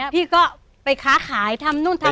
พี่ก็ไปค้าขายทำนู่นทำ